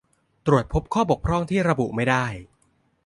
ตรวจพบข้อบกพร่องที่ระบุไม่ได้